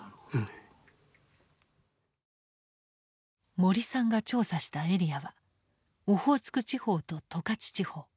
森さんが調査したエリアはオホーツク地方と十勝地方。